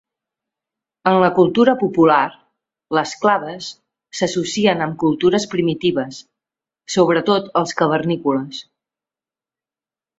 En la cultura popular, les claves s'associen amb cultures primitives, sobretot els cavernícoles.